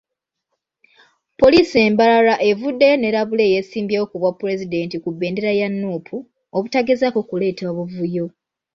Poliisi e Mbarara evuddeyo n'erabula eyeesimbyewo ku bwapulezidenti ku bbendera ya Nuupu, obutagezaako kuleeta buvuyo.